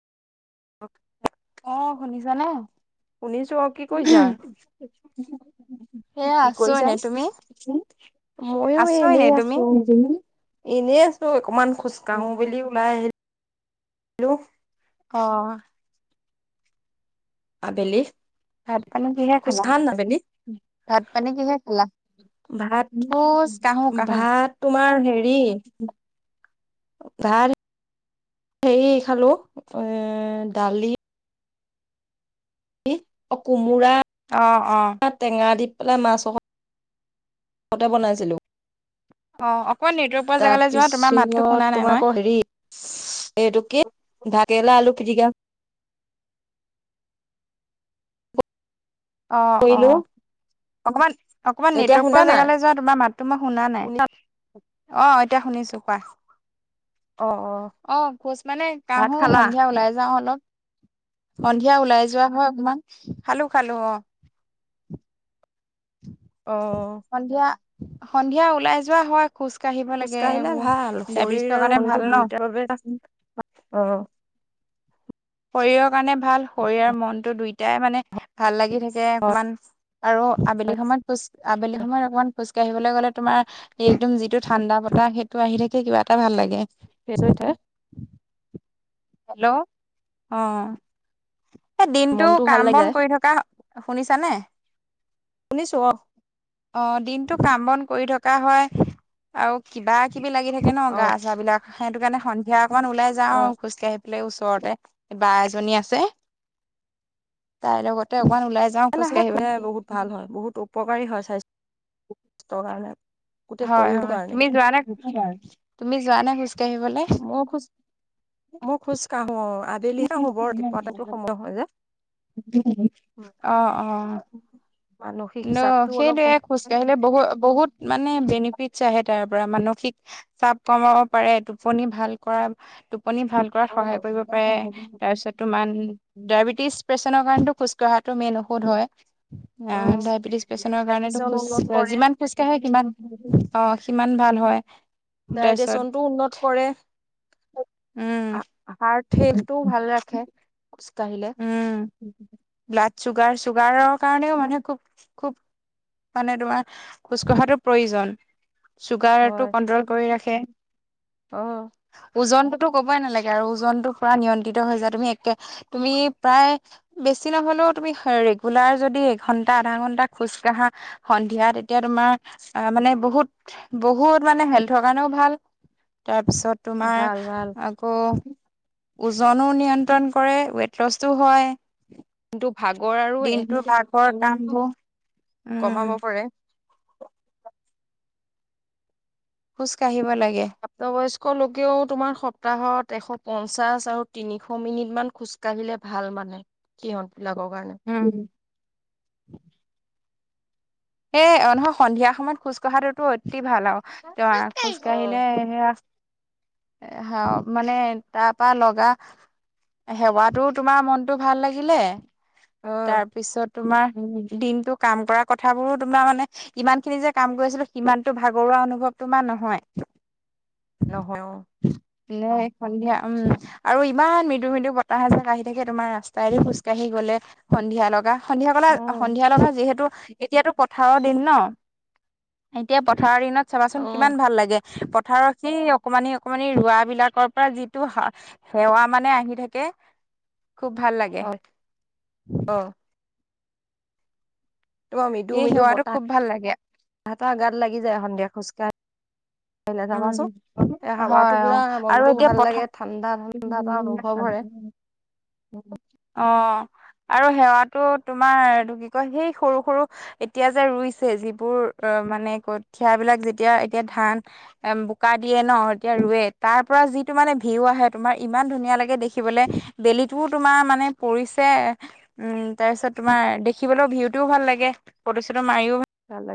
অ শুনিছা নে? শুনিছো অ কি কৰিছা? এয়া কি আছো কৰিছা এনে তুমি? চোন ময়ো আছো এনেই তুমি? আছো অ তুমি এনে আছো অকমান খোজ কাঢ়ো বুলি ওলাই আহিলো। অ। আবেলি। ভাত পানী কিহে খালা? খোজকাঢ়া না আবেলি? ভাত পানী কিহে খালা? ভাত খোজ কাঢ়ো কাঢ়ো। ভাত তোমাৰ হেৰি ভাত সেই খালো এ দালি কি কোমোৰা অ অ টেঙা দি পেলাই মাছ অক- ততে বনাইছিলো। অ অক তাৰপিছত তোমাৰ মই। আকৌ হেৰি এইটো কি? তিতাকেল আলু পিটিকা অ অ কৰিলো। অকমান অকণমান এতিয়া নেটৱৰ্ক পোৱা শুনা নাই? জেগালৈ যোৱা তোমাৰ মাততো মই শুনা নাই। অ এতিয়া শুনিছো কোৱা। অ অ অ খোজ মানে ভাত কাহো খালা? সন্ধিয়া ওলাই যাওঁ অলপ সন্ধিয়া ওলাই যোৱা হয় অকমমান খালো খালো অ আহ সন্ধিয়া সন্ধিয়া ওলাই যোৱা হয়। খোজ কাঢ়িব লাগে খোজকাঢ়িলে এইবোৰ ভাল শৰীৰ ডায়বেটিছৰ আৰু কাৰণে মনটো ভাল ন। দুইটাৰ বাবে অ', শৰীৰৰ কাৰণে ভাল শৰীৰৰ মনতটো দুইটাই মানে ভাল লাগি থাকে। তে অকণমান আৰু আবেলি সময়ত খোজ আবেলি সময়ত অকমান খোজ আহিবলৈ গ'লে তোমাৰ এইদম যিটো ঠাণ্ডা বতাহ সেইটো আহি থাকে কিবা এটা ভাল লাগে। সেই টো তে [unintelligible] হেল্ল' অ এই দিনটো মনটো ভাল কাম লাগি বন যায় কৰি থকা শুনিছানে। শুনিছো অ', অ দিনতটো কাম বন কৰি থকা হয় আৰু কিবা কিবি লাগি থাকে ন গা অ', চা বিলাক সেইটো কাৰণে সন্ধিয়া অকমান ওলাই যাওঁ অ', কে আহি পেলাই ওচৰতে বা এজনী আছে তাইৰ লগতে অকমান ওলাই যাওঁ লাহে লাহে খোজকাঢ়িবলৈ খৰাই বহুত ভাল হয় বহুত উপকাৰী হয় স্বাস্থ স্বাস্থ্যৰ কাৰণে গোটেই হয় শৰীৰটোৰ হয় কাৰণে তুমি যোৱা নাই, শুকুৰবাৰ, তুমি যোৱা নাই খোজ- আহিবলে। মই খোজ মই খোজ কাঢ়ো অ আবেলিহে আহো বৰ ৰাতিপুৱাতে সময় নহয় যে। অহ অ মানসিক ন চাপটো অলপ কম সেইটোয়ে খোজ কঢ়িলে বহুত বহুত মানে বেনিফিটছ আহে তাৰ পৰা মানসিক চাপ কমাব পাৰে টোপনি ভাল কৰা। টোপ- পনি ভাল অ কৰাত সহায় কৰিব পাৰে তাৰপিছত তোমান ডায়েবেটিছ পেচেন কাৰণেটো খোজকঢ়াটো মেইন ঔষধ হয়। উম বেডিছ পেচেন কাৰণেটো ডাইজেচন খোজ উন্নত কৰে যিমান খোজকাঢ়ে সিমান অ সিমান ভাল হয়। তাৰপিছত ডাইডেশচনটো উন্নত কৰে। উম হাৰ্ট ঠেলটো ভাল ৰাখে খোজকাঢ়িলে উম ব্লাড চুগাৰ চুগাৰৰ কাৰণেও মানে খুব খুব মানে তোমাৰ খোজ কঢ়াটো প্ৰয়োজন। চুগাৰটো হয় কন্ট্ৰল কৰি ৰাখে অ' ওজনটো টো ক'বই নালাগে আৰু ওজনতটো পুৰা নিয়ন্ত্ৰিত হৈ যায় তুমি একে তুমি প্ৰায় বেছি নহ'লেও তুমি ৰেগুলাৰ যদি এঘন্টা আধা ঘন্টা খোজ কঢ়া। সন্ধিয়া এতিয়া তোমাৰ অ মানে বহুত বহুত মানে হেল্থৰ কাৰণেও ভাল। তাৰপিছত তোমাৰ ভাল ভাল আকৌ ওজনো নিয়ন্ত্ৰণ কৰে ৱেট লছো হয়। কিন্তু ভাগৰ আৰু এ দিনটো পাকত নামভো- কমাব পাৰে। খোচ কঢ়িব লাগে। প্ৰাপ্ত বয়স্ক লোকেও তোমাৰ সপ্তাহত এশ পঞ্চাশ আৰু তিনিশ মিনিট মান খোজকাঢ়িলে ভাল মানে। মানে কি হল লগৰ কাৰণে উ এ নহয় সন্ধিয়া সময়ত খোজ কঢ়াটোতো অ তি ভাল আও তে খোজকাঢ়িলে অ' সে হ মানে তাৰপা লগা সেৱাতো তোমাৰ মনটো ভাল লাগিলে। অ' তাৰপিছত তোমাৰ দিনটো কাম কৰা ক- থাবোৰো তোমাৰ মানে ইমান খিনি যে কাম কৰিছিলো সিমানতো ভাগৰুৱা অনুভৱ তোমাৰ নহয়। [inaudible] নহয় অ। নহয় সন্ধিয়া উম আৰু ইমান মৃদু মৃদু বতাহ এজাক আহি থাকে তোমাৰ ৰাস্তাইদি খোজকাঢ়ি গলে সন্ধিয়া লগা সন্ধিয়া কলে সন্ধিয়া লগা যিহেতু এতিয়াতো পথাৰৰ দিন ন এতিয়া পথাৰৰ দিনত চাবাচোন অ' কিমান অ' ভাল লাগে পথাৰত সেই অকমানি অকমানি ৰোৱা বিলাকৰ পৰা যিটো হা হেৱা মানে আহি থাকে। খুব ভাল লাগে। হয় অ' তোমাৰ মৃদু সেই মৃদু সেৱাটো খুব ভাল লাগে বতাহ গাত লাগি যায় সন্ধিয়া খোজকাঢ়ি উম এ হাৱাটো হয় অ পুৰা আৰু মনটো এতিয়া ভাল লাগে পথাৰ ঠাণ্ডা ঠাণ্ডা এটা অনুভৱ কৰে। আৰু অ আৰু সেৱাতো তোমাৰটো কি কয় সেই সৰু সৰু এতিয়া যে ৰুইছে যিবোৰ মানে কঠিয়া বিলাক যেতিয়া এতিয়া ধান বোকা দিয়ে ন এতিয়া ৰুৱে তাৰ পৰা যিটো মানে ভিউ আহে তোমাৰ ইমান ধুনীয়া লাগে দেখিবলৈ বেলিটোও তোমাৰ মানে মানে পৰিছে উম তাৰ পিছত তোমাৰ দেখিবলৈও ভিউটোও ভাল লাগে ফটো চটো মাৰিও ভাল লাগে।